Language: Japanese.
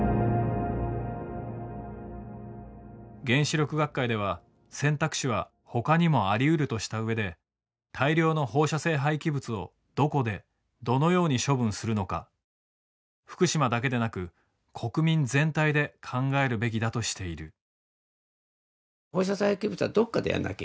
原子力学会では選択肢はほかにもありうるとした上で大量の放射性廃棄物をどこでどのように処分するのか福島だけでなく国民全体で考えるべきだとしている。